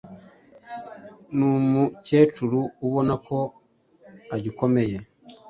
Ni umukecuru ubona ko agikomeye